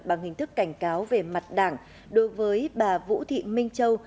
bằng hình thức cảnh cáo về mặt đảng đối với bà vũ thị minh châu